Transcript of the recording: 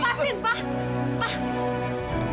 pak lupasin pak